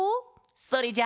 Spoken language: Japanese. それじゃあ。